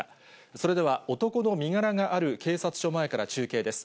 それでは、男の身柄がある警察署前から中継です。